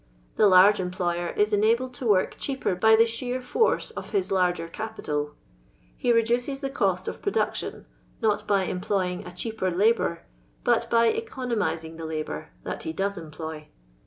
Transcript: The large employer is enabled to work cheaper by the sheer force' of his hirger aipital. He reduces the co5t of produtlifm, not by en J ploying a cheaper labour, but by *' econo mizing the labour" that he does employ.